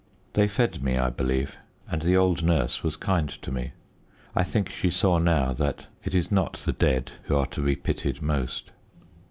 They fed me, I believe, and the old nurse was kind to me. I think she saw now that it is not the dead who are to be pitied most.